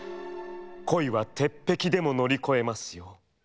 恋は鉄壁でも乗り越えますよ」。